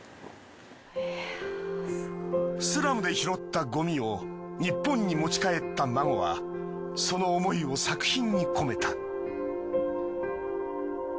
スラムで拾ったゴミを日本に持ち帰ったＭＡＧＯはその思いを作品に込めた。